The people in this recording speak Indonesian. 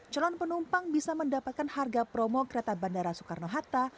calon penumpang bisa mendapatkan harga promo kereta bandara soekarno hatta